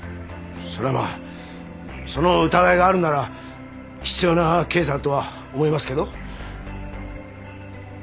それはその疑いがあるなら必要な検査だとは思いますけど。